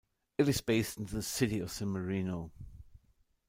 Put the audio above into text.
It is based in the city of San Marino.